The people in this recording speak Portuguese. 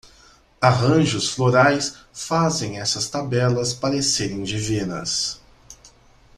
Arranjos florais fazem essas tabelas parecerem divinas.